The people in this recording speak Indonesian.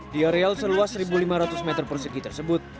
di areal seluas satu lima ratus meter persegi tersebut